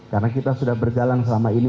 karena kita sudah berjalan selama ini